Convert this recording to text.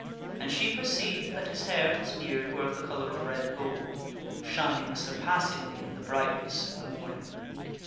And she perceived that his hair and his beard were of the color of red gold shining surpassingly in the bright ness of the morning.